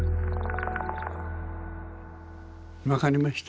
わかりました？